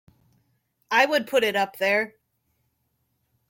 I would put it up there!